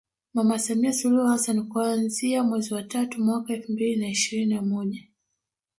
Mama Samia Suluhu Hassani kuanzia mwezi wa tatu mwaka Elfu mbili ishirini na moja